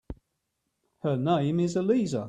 Her name is Elisa.